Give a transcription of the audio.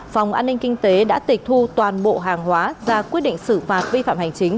phòng an ninh kinh tế đã tịch thu toàn bộ hàng hóa ra quyết định xử phạt vi phạm hành chính